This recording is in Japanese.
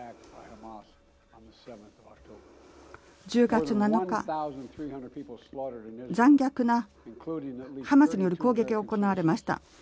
１０月７日、残虐なハマスによる攻撃が行われました。